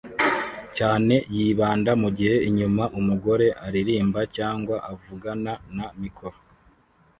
cyane yibanda mugihe inyuma umugore aririmba cyangwa avugana na mikoro